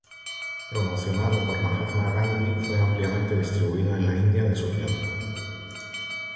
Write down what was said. Promocionado por Mahatma Gandhi, fue ampliamente distribuido en la India de su tiempo.